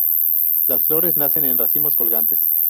La flores nacen en racimos colgantes.